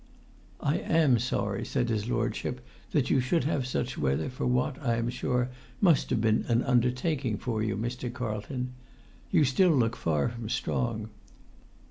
"I am sorry," said his lordship, "that you should have such weather for what, I am sure, must have been an undertaking for you, Mr. Carlton. You still look far from strong.